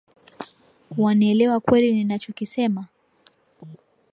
Wanielewa kweli ninachokisema?